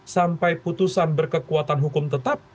sampai putusan berkekuatan hukum tetap